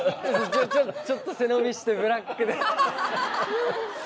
ちょっと背伸びしてブラックで。